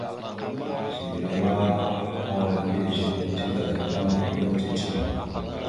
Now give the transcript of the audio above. Zigəla ma awal mbiyez ehədze ga azlam gamənda cici.